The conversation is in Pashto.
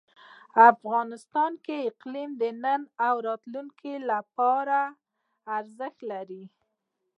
افغانستان کې اقلیم د نن او راتلونکي لپاره ارزښت لري.